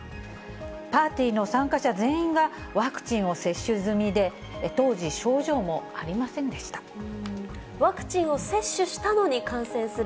パーティーの参加者全員がワクチンを接種済みで、当時、症状もあワクチンを接種したのに感染する。